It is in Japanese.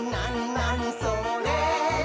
なにそれ？」